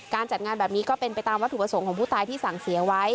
จัดงานแบบนี้ก็เป็นไปตามวัตถุประสงค์ของผู้ตายที่สั่งเสียไว้